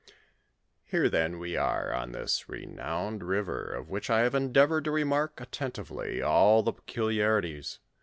Hebe then we are on this renowned river, of which I have endeavored to remark attentively all the pecnliarities.